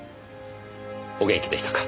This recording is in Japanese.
お元気でしたか？